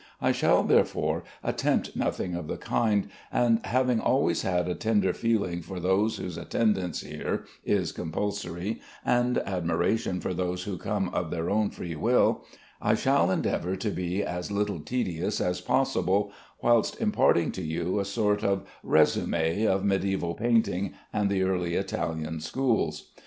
I shall, therefore, attempt nothing of the kind, and having always had a tender feeling for those whose attendance here is compulsory, and admiration for those who come of their own free will, I shall endeavor to be as little tedious as possible, whilst imparting to you a sort of résumé of mediæval painting and the early Italian schools.